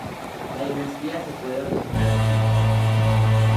La dinastía se puede originar allí.